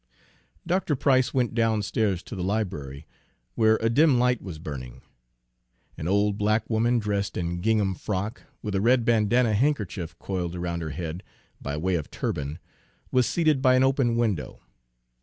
Dr. Price went downstairs to the library, where a dim light was burning. An old black woman, dressed in a gingham frock, with a red bandana handkerchief coiled around her head by way of turban, was seated by an open window.